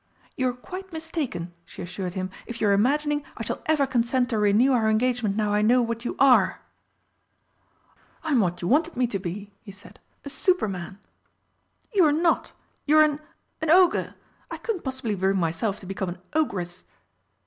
"You are quite mistaken," she assured him, "if you are imagining I shall ever consent to renew our engagement now I know what you are." "I'm what you wanted me to be," he said, "a Superman." "You're not, you're an an Ogre. I couldn't possibly bring myself to become an Ogress!"